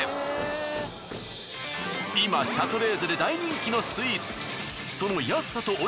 今シャトレーゼで大人気のスイーツ。